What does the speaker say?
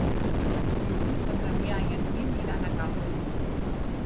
Dilluns en Damià i en Quim iran a Cava.